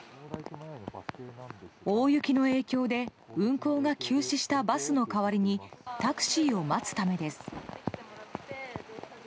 大雪の影響で運行が休止したバスの代わりにタクシーを待つためです。